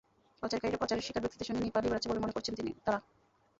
পাচারকারীরা পাচারের শিকার ব্যক্তিদের সঙ্গে নিয়েই পালিয়ে বেড়াচ্ছে বলে মনে করছেন তাঁরা।